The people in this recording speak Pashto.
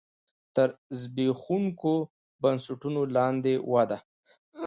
تر زبېښونکو بنسټونو لاندې وده.